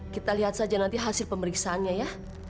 kita lihat saja nanti hasil pemeriksaannya ya